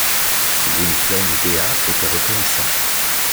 Gwynplaine et Dea étaient reconnaissants.